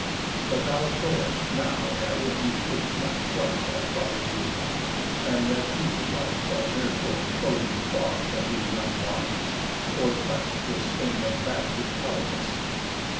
But thou show'st now that in thee fades not quite Thy father's wisdom; and that future light Shall therefore show thee far from being unwise, Or touch'd with stain of bastard cowardice.